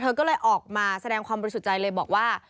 เธอก็เลยออกมาแสดงความบริสุทธิ์ใจเลยบอกว่า